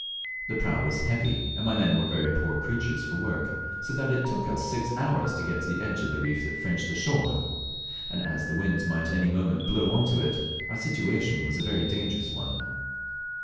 The prau was heavy, and my men very poor creatures for work, so that it took us six hours to get to the edge of the reef that fringed the shore; and as the wind might at any moment blow on to it, our situation was a very dangerous one.